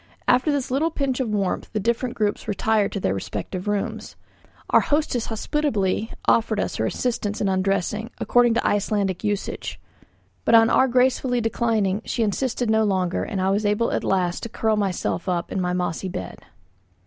After this little pinch of warmth the different groups retired to their respective rooms. Our hostess hospitably offered us her assistance in undressing, according to Icelandic usage; but on our gracefully declining, she insisted no longer, and I was able at last to curl myself up in my mossy bed.